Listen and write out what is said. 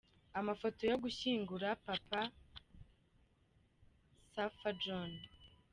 Amafoto yo gushyingura Papy Safa John.